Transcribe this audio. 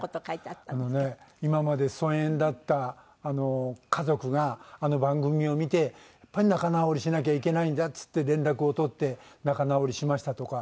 あのね今まで疎遠だった家族があの番組を見てやっぱり仲直りしなきゃいけないんだっつって連絡を取って仲直りしましたとか。